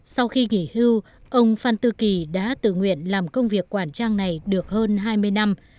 sau khi nghỉ hưu ông phan tư kỳ đã tự nguyện làm công việc quản trang này được hơn hai mươi năm